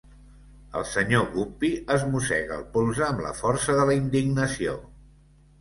El Sr. Guppy es mossega el polze amb la força de la indignació.